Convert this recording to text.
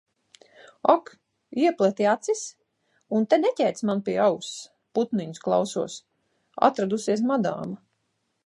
Ak! Iepleti acis? Un te neķērc man pie auss, putniņus klausos. Atradusies madāma.